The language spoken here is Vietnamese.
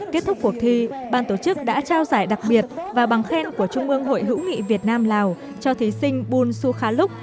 kết thúc cuộc thi ban tổ chức đã trao giải đặc biệt và bằng khen của trung ương hội hữu nghị việt nam lào cho thí sinh bun su kha lúc